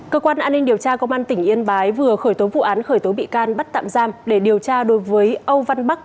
cơ quan an ninh điều tra công an tỉnh yên bái vừa khởi tố vụ án khởi tố bị can bắt tạm giam để điều tra đối với âu văn bắc